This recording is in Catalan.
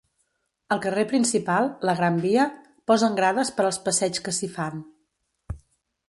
Al carrer principal, la Gran Via, posen grades per als passeigs que s'hi fan.